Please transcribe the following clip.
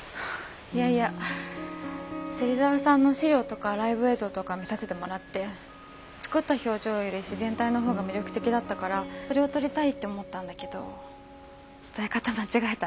いやいや芹澤さんの資料とかライブ映像とか見させてもらって作った表情より自然体の方が魅力的だったからそれを撮りたいって思ったんだけど伝え方間違えたね。